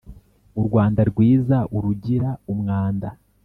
U Rwanda rwiza urugira umwanda